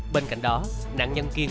bên cạnh đó nạn nhân kiên